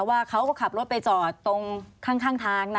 ว่าเขาก็ขับรถไปจอดตรงข้างทางนะ